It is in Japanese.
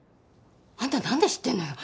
あんたなんで知ってんのよ。